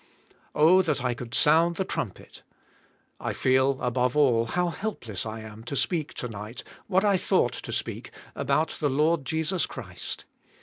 Oh, that I could sound the trumpet. I feel, above all, how helpless I am to speak, to nig ht, what I thought to speak, about the Lord Jesus Christ.